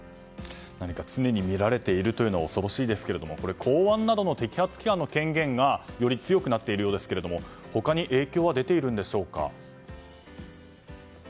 何か常に見られているというのは恐ろしいですが公安などの摘発機関の権限がより強くなっているようですが他に影響は出ているんでしょうか。